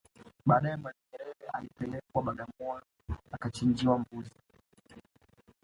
Baadae Mwalimu Nyerere alipelekwa Bagamoyo akachinjwa mbuzi